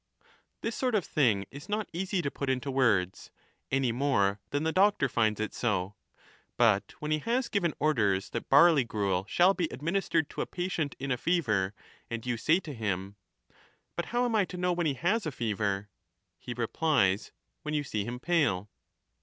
This sort of thing is not easy to put into words, any more than the doctor finds it so. But when he has given orders that barley gruel shall be administered to a patient in a fever, and you say to him, ' But how am I to know when he has 25 a fever?' — he replies, ' When you see him pale.'